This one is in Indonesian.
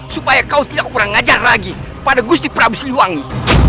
supaya kau tidak kurang ngajar lagi pada gustik prabu siliwangi